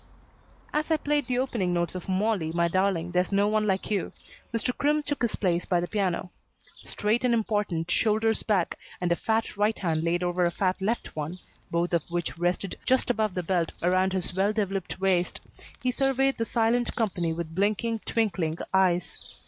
As I played the opening notes of "Molly, My Darling, There's No One Like You," Mr. Crimm took his place by the piano. Straight and important, shoulders back, and a fat right hand laid over a fat left one, both of which rested just above the belt around his well developed waist, he surveyed the silent company with blinking, twinkling eyes.